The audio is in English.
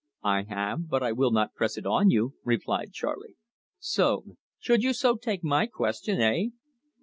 "I have, but I will not press it on you," replied Charley. "Should you so take my question eh?"